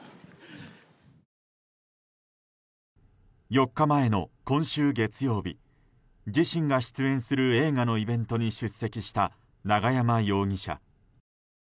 ４日前の今週月曜日自身が出演する映画のイベントに出席した永山容疑者。